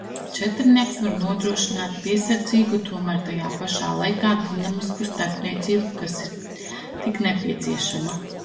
Četrinieks var nodrošināt piesardzīgu, tomēr tajā pašā laikā dinamisku starpniecību, kas ir tik nepieciešama.